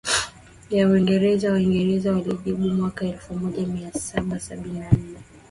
ya Waingereza Waingereza walijibu mwaka elfumoja miasaba sabini na nne